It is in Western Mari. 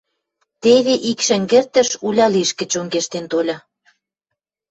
Теве ик шӹнгӹртӹш уля лишкӹ чонгештен тольы.